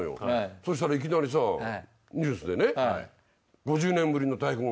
そしたらいきなりさニュースでね。